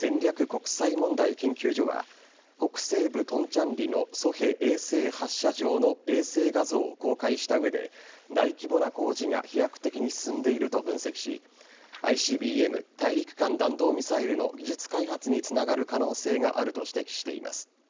国際問題研究所は北西部・トンチャンリのソヘ衛星発射場の衛星画像を公開した上で大規模な工事が飛躍的に進んでいると分析しＩＣＢＭ＝大陸間弾道ミサイルの技術開発につながる可能性があると指摘しています。